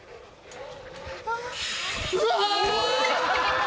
うわ！